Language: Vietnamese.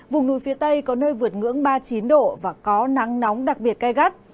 vùng núi phía tây có nơi vượt ngưỡng ba mươi chín độ và có nắng nóng đặc biệt gai gắt